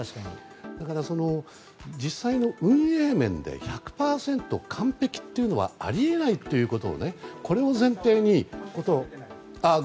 だから、実際の運営面で１００％完璧というのはあり得ないということを前提に。